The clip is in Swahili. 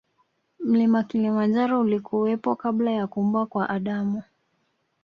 Mlima kilimanjaro ulikuwepo kabla ya kuumbwa kwa adamu